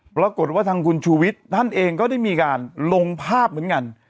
ปรากฏว่าทางคุณชูวิทย์ท่านเองก็ได้มีการลงภาพเหมือนกัน